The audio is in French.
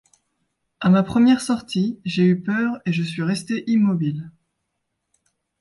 À ma première sortie, j’ai eu peur et suis restée immobile.